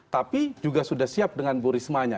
tapi juga sudah siap dengan bu risma nya